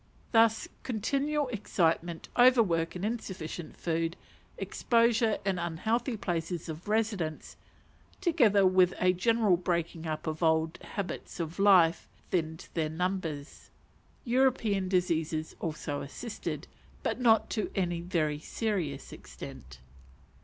Thus continual excitement, over work, and insufficient food, exposure, and unhealthy places of residence, together with a general breaking up of old habits of life, thinned their numbers: European diseases also assisted, but not to any very serious extent.